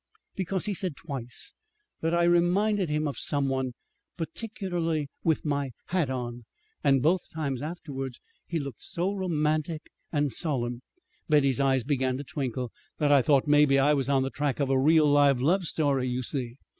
"Because he said twice that I reminded him of some one, particularly with my hat on; and both times, afterward, he looked so romantic and solemn" Betty's eyes began to twinkle "that I thought maybe I was on the track of a real, live love story, you see.